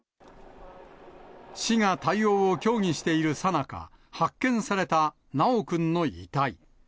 市が対応を協議しているさなか、発見された修くんの遺体。